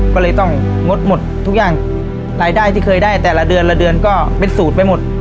ก็เลยต้องงดหมดทุกอย่างรายได้ที่เคยได้แต่ละเดือนละเดือนก็เป็นสูตรไปหมด